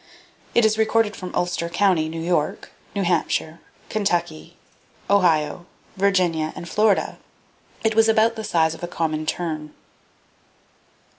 It is recorded from Ulster County, New York, New Hampshire, Kentucky, Ohio, Virginia and Florida. It was about of the size of the common tern.